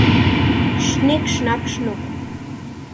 Schnick schnack schnuck!